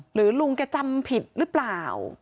ลุงแกจำผิดหรือเปล่า